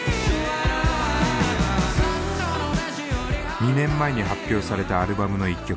２年前に発表されたアルバムの１曲。